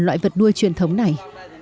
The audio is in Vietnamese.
loại vật nuôi truyền thống này